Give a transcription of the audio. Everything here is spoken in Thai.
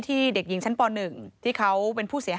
ที่นี้ทางเจ้าหน้าที่เขาออกมาเปิดเผยแบบนี้